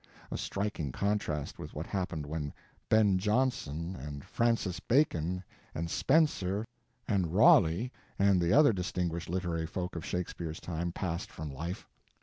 A striking contrast with what happened when Ben Jonson, and Francis Bacon, and Spenser, and Raleigh, and the other distinguished literary folk of Shakespeare's time passed from life!